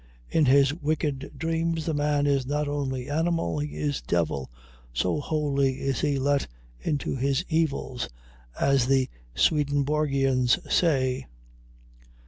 In his wicked dreams the man is not only animal, he is devil, so wholly is he let into his evils, as the Swedenborgians say.